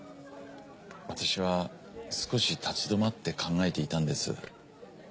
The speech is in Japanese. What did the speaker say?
私は少し立ち止まって考えていたんです。